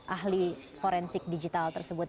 ahli forensik digital tersebut